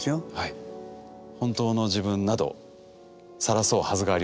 本当の自分などさらそうはずがありません。